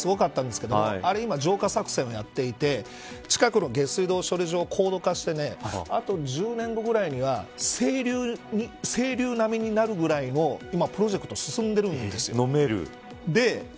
いつもヘドロですごかったんですけど今、浄化作業をやっていて近くの浄水処理場を高度化してあと１０年後ぐらいには清流並みになるぐらいのプロジェクトが進んでいるんです。